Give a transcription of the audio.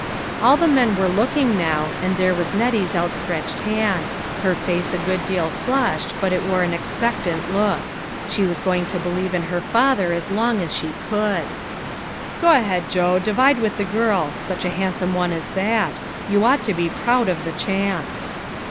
All the men were looking now, and there was Nettie's outstretched hand. Her face a good 124 LITTLE FISHEES : AND THEIE NETS. deal flushed ; but it wore an expectant look. She was going to believe in her father as long as she could. " Go ahead, Joe, divide with the girl. Such a handsome one as that. You ought to be proud of the chance."